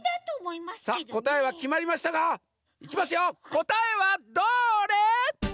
こたえはどれ？